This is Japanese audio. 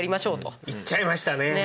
言っちゃいましたね。